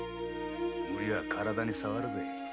無理は体に障るぜ。